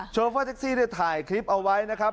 โฟเฟอร์แท็กซี่ได้ถ่ายคลิปเอาไว้นะครับ